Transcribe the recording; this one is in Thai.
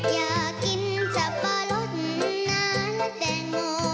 อยากกินจับปลอดน้ำและแตงโมง